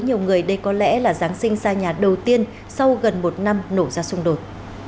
nhiều người đây có lẽ là giáng sinh ra nhà đầu tiên sau gần một năm nổ ra xung đột